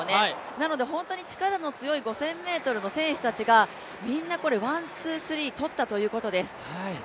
なので本当に力の強い５０００ｍの選手たちがみんなワン、ツー、スリー取ったということです。